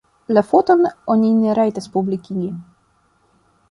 La foton oni ne rajtas publikigi.